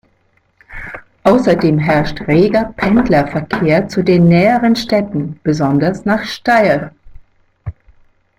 Außerdem herrscht reger Pendlerverkehr zu den näheren Städten, besonders nach Steyr.